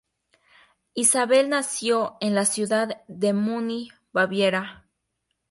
Isabel nació en la ciudad de Múnich, Baviera.